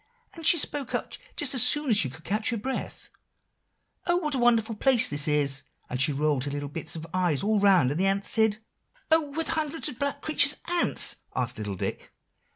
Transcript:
And she spoke up just as soon as she could catch her breath, 'Oh, what a wonderful place is this!' and she rolled her little bits of eyes all around; and the ants said" "Oh! were the hundreds of black creatures ants?" asked little Dick.